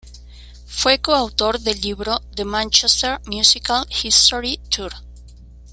Fue coautor del libro "The Manchester Musical History Tour".